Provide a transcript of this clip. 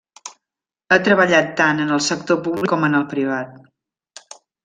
Ha treballat tant en el sector públic com en el privat.